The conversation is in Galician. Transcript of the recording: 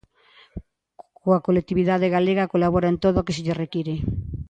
Coa colectividade galega colabora en todo o que se lle require.